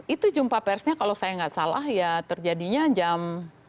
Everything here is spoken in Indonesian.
itu jumpa persnya kalau saya nggak salah ya terjadinya jam